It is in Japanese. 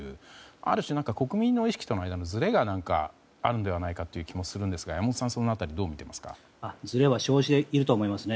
ある種、国民の意識との間のずれがあるのではないかという気もするんですが山本さん、その辺りどう見ていますか。